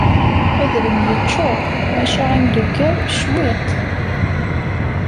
Adrim yeččuṛ macca imeddukkal, cwiṭ.